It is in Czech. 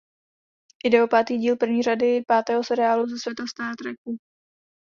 Jde o pátý díl první řady pátého seriálu ze světa Star Treku.